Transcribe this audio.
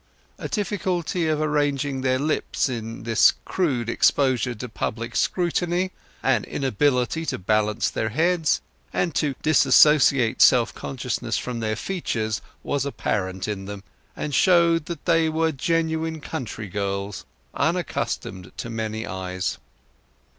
A difficulty of arranging their lips in this crude exposure to public scrutiny, an inability to balance their heads, and to dissociate self consciousness from their features, was apparent in them, and showed that they were genuine country girls, unaccustomed to many eyes.